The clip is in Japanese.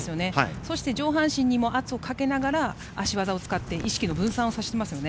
そして、上半身にも圧をかけながら足技を使って、意識の分散をさせていますよね。